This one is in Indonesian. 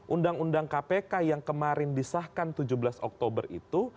undang undang kpk yang kemarin disahkan tujuh belas oktober itu